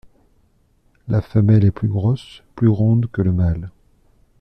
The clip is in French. La femelle est plus grosse, plus ronde que le mâle.